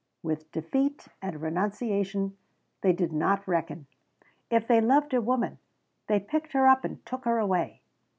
With defeat and renunciation they did not reckon. If they loved a woman, they picked her up and took her away.